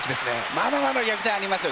まだまだ逆転ありますよ！